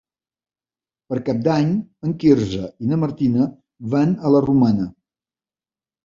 Per Cap d'Any en Quirze i na Martina van a la Romana.